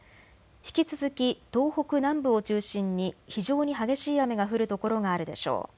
引き続き東北南部を中心に非常に激しい雨が降る所があるでしょう。